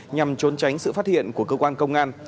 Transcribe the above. nhằm trốn tránh sự phát hiện của cơ quan công an